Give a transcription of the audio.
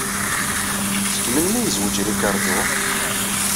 Seg melmi yezweǧ Ricardo?